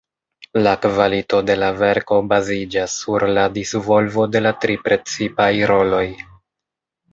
La kvalito de la verko baziĝas sur la disvolvo de la tri precipaj roloj.